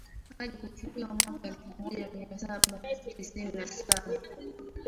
Hadi kufikia mwaka elfu moja mia saba tisini na saba